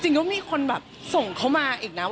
จริงก็มีคนส่งเขามาอีกนะ